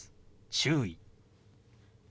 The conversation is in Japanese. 「注意」。